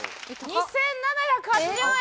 ２７８０円。